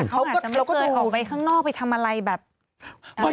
เขาอาจจะไม่เคยออกไปข้างนอกไปทำอะไรแบบ